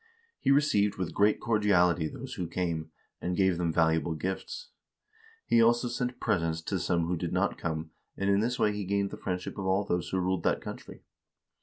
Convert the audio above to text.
He received with great cordiality those who came, and gave them valuable gifts. He also sent presents to some who did not come, and in this way he gained the friendship of all those who ruled that country.